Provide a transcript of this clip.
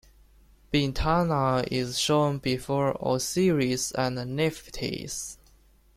Bintanath is shown before Osiris and Nephtys.